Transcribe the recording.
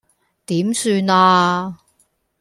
點算呀